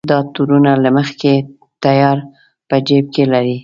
دا تورونه له مخکې تیار په جېب کې لري.